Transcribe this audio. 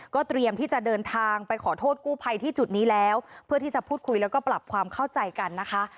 เตรียมที่จะเดินทางไปขอโทษกู้ภัยที่จุดนี้แล้วเพื่อที่จะพูดคุยแล้วก็ปรับความเข้าใจกันนะคะ